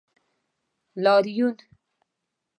لاریون